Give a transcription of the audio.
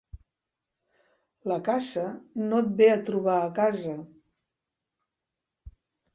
La caça no et ve a trobar a casa.